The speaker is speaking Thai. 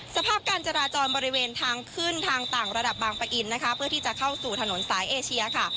สภาพการจราจรบริเวณทางขึ้นทางต่างระดับบางปะอินนะคะเพื่อที่จะเข้าสู่ถนนสายเอเชียค่ะ